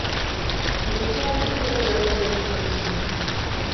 Үйүндө олтуруп эле жарыя берип коесуң.